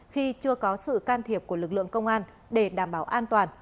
khi chưa có sự can thiệp của lực lượng công an để đảm bảo an toàn